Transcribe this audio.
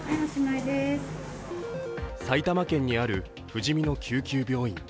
埼玉県にあるふじみの救急病院。